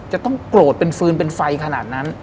จะต้องโกรธเป็นฟืนเป็นไฟขนาดนั้น